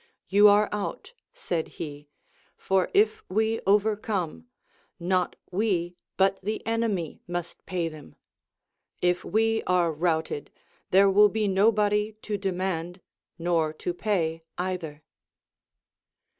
You are out, said he ; for if Ave overcome, AND GREAT COMMANDERS. 235 not we but the enemy must pay them ; if we are routed, there will be nobody to demand nor to pay either.